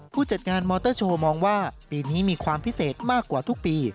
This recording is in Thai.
ผู้จัดงานมอเตอร์โชว์มองว่าปีนี้มีความพิเศษมากกว่าทุกปี